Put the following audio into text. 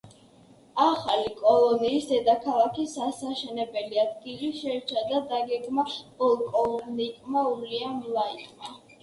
ახალი კოლონიის დედაქალაქის ასაშენებელი ადგილი შეირჩა და დაგეგმა პოლკოვნიკმა უილიამ ლაიტმა.